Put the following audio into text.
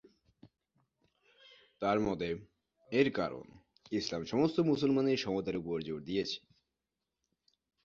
তাঁর মতে, এর কারণ ইসলাম সমস্ত মুসলমানের সমতার উপর জোর দিয়েছে।